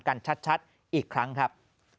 กันชัดอีกครั้งครับ